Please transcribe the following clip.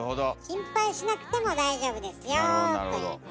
心配しなくても大丈夫ですよということです。